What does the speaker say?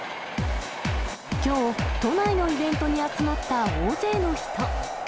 きょう、都内のイベントに集まった大勢の人。